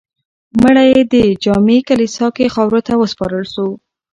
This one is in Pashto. مړی یې د جامع کلیسا کې خاورو ته وسپارل شو.